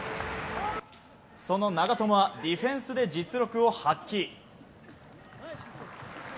その長友はディフェンスで実力を発揮。